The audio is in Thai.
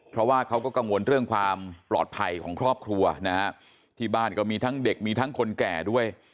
เพราะว่าเขาก็กังวลเรื่องความปลอดภัยของครอบครัวนะฮะที่บ้านก็มีทั้งเด็กมีทั้งคนแก่ด้วย